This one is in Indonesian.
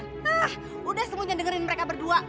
nah udah semuanya dengerin mereka berdua